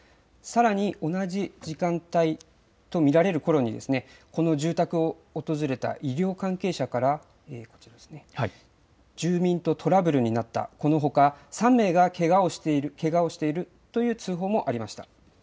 さらに同じ時間帯と見られるころに、この住宅を訪れた医療関係者から住民とトラブルになった、このほか３名がけがをしているという通報もありました。